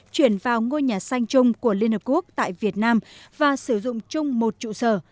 chuyển vào ngôi nhà xanh chung của liên hợp quốc tại việt nam và sử dụng chung một trụ sở